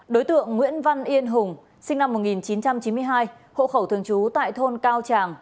đối tượng nguyễn văn yên hùng sinh năm một nghìn chín trăm chín mươi hai hộ khẩu thường trú tại thôn cao tràng